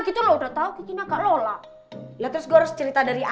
guezone aku sudah together